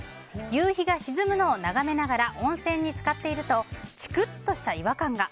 夕日が沈むのを眺めながら温泉に浸かっているとちくっとした違和感が。